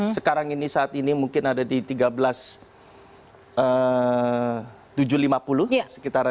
sekarang ini saat ini mungkin ada di tiga belas tujuh ratus lima puluh sekitar